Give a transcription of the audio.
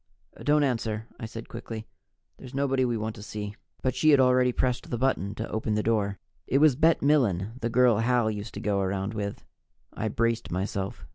"Don't answer," I said quickly. "There's nobody we want to see " But she had already pushed the button to open the door. It was Bet Milen, the girl Hal used to go around with. I braced myself.